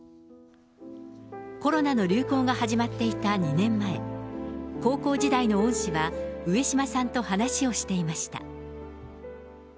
コロナの流行が始まっていた２年前、高校時代の恩師は、上島さんと話をしていました。